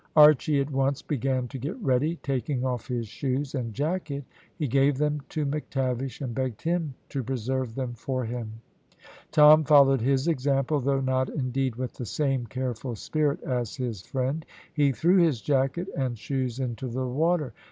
Archy at once began to get ready. Taking off his shoes and jacket, he gave them to McTavish, and begged him to preserve them for him. Tom followed his example, though not, indeed, with the same careful spirit as his friend; he threw his jacket and shoes into the water.